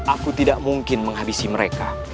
aku tidak mungkin menghabisi mereka